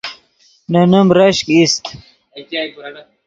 نے نیم رشک ایست